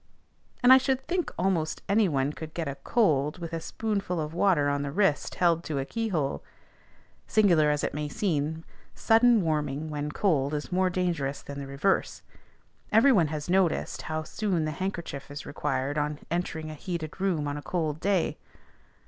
And I should think almost any one could get a "cold" with a spoonful of water on the wrist held to a key hole. Singular as it may seem, sudden warming when cold is more dangerous than the reverse: every one has noticed how soon the handkerchief is required on entering a heated room on a cold day.